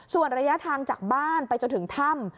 ส่วนระยะทางจากบ้านไปจนถึงถ้ำ